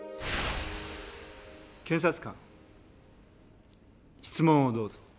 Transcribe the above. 検察官質問をどうぞ。